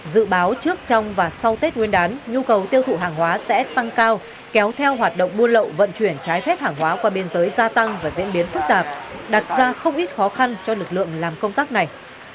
dự báo trước trong và sau tết nguyên đán nhu cầu tiêu thụ hàng hóa sẽ tăng cao kéo theo hoạt động buôn lậu vận chuyển trái phép hàng hóa qua biên giới gia tăng và diễn biến phức tạp đặt ra không ít khó khăn cho lực lượng làm công tác này